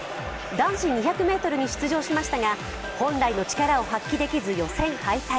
男子２００ｍに出場しましたが本来の力を発揮できず、予選敗退。